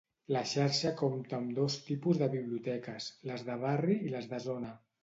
La xarxa compta amb dos tipus de biblioteques: les de barri i les de zona.